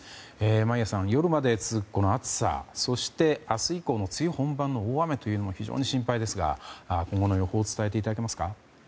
眞家さん、夜まで続くこの暑さそして明日以降も梅雨本番の大雨が非常に心配ですが今後の予報を伝えていただけますか。